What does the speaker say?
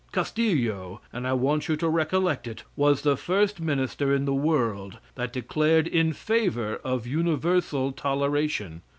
Castillo and I want you to recollect it was the first minister in the world that declared in favor of universal toleration.